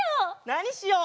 なにしよう？